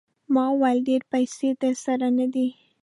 ما وویل ډېرې پیسې درسره نه دي.